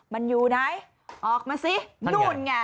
มันอยู่ไหนออกมาสินู่นไง